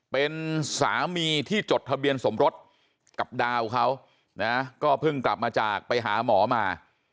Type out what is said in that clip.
เป็นสามีที่จดทะเบียนสมรสกับดาวเขาก็เพิ่งกลับมาจากไปหาหมอมา